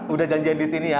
udah janjian di sini ya